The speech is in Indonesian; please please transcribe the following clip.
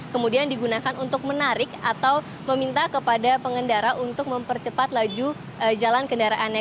kemudian digunakan untuk menarik atau meminta kepada pengendara untuk mempercepat laju jalan kendaraannya